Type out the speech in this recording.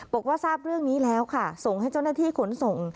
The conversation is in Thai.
บอกว่าทราบเรื่องนี้แล้วค่ะส่งให้เจ้าหน้าที่ขนส่ง